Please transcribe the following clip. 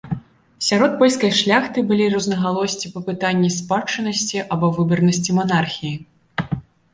Сярод польскай шляхты былі рознагалоссі па пытанні спадчыннасці або выбарнасці манархіі.